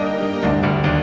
ate bisa menikah